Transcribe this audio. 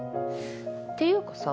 っていうかさ